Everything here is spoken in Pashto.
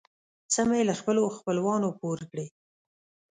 څه مې له خپلو خپلوانو پور کړې.